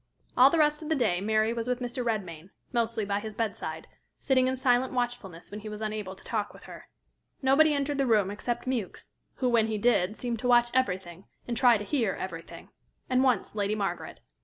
All the rest of the day Mary was with Mr. Redmain, mostly by his bedside, sitting in silent watchfulness when he was unable to talk with her. Nobody entered the room except Mewks, who, when he did, seemed to watch everything, and try to hear everything, and once Lady Margaret.